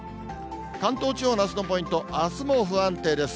関東地方のあすのポイント、あすも不安定です。